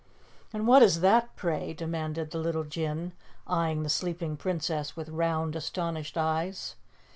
"And what is that, pray?" demanded the little Jinn, eyeing the sleeping Princess with round astonished eyes.